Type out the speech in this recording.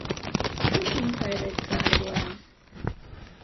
Cât timp credeți că ar dura?